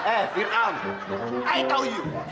eh fir'an i tau you